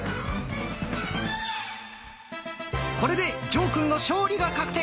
これで呈くんの勝利が確定。